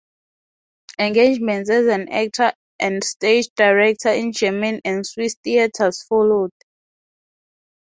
Engagements as an actor and stage director in German and Swiss theatres followed.